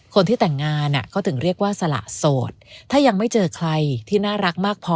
คนที่แต่งงานเขาถึงเรียกว่าสละโสดถ้ายังไม่เจอใครที่น่ารักมากพอ